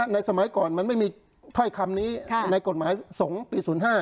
สมัยก่อนมันไม่มีถ้อยคำนี้ในกฎหมายสงฆ์ปี๐๕